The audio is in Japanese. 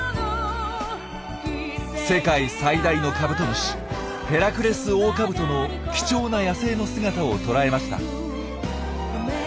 世界最大のカブトムシヘラクレスオオカブトの貴重な野生の姿を捉えました。